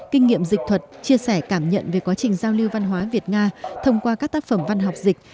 kinh nghiệm dịch thuật chia sẻ cảm nhận về quá trình giao lưu văn hóa việt nga thông qua các tác phẩm văn học dịch